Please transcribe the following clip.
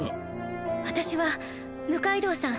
私は六階堂さん